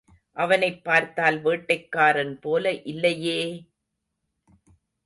அவனைப் பார்த்தால் வேட்டைக்காரன் போல இல்லையே!